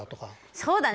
そうだね。